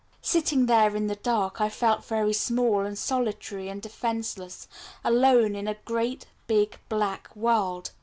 Sitting there in the dark, I felt very small, and solitary, and defenceless, alone in a great, big, black world.